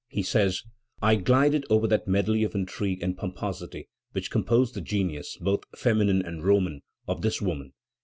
he says: "I glided over that medley of intrigue and pomposity which composed the genius, both feminine and Roman, of this woman.